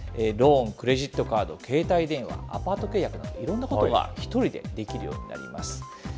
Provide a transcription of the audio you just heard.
ローン、クレジットカード、携帯電話、アパート契約など、いろんなことが１人でできるようになります。